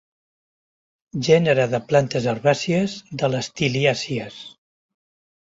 Gènere de plantes herbàcies de les tiliàcies.